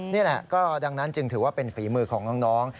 นี่แหละก็ดังนั้นจึงถือว่าเป็นฝีมือของน้อง